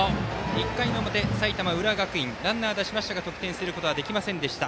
１回表、埼玉の浦和学院ランナーを出しましたが得点することはできませんでした。